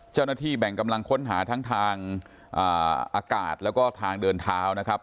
เจ้าหน้าที่แบ่งกำลังค้นหาทั้งทางอากาศแล้วก็ทางเดินเท้านะครับ